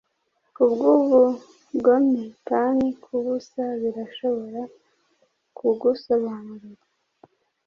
Kubwubugome Pan kubusa birashobora kugusobanurira